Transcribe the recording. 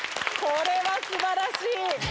これは素晴らしい！